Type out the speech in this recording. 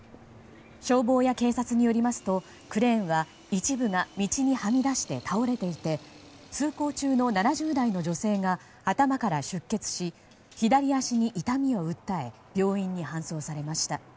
消防や警察によりますとクレーンは一部が道に、はみ出して倒れていて通行中の７０代の女性が頭から出血し左足に痛みを訴え病院に搬送されました。